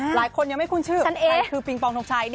หลายคนยังไม่คุ้นชื่อนั่นเองคือปิงปองทงชัย